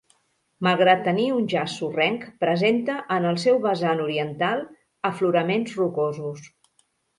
Malgrat tenir un jaç sorrenc, presenta, en el seu vessant oriental, afloraments rocosos.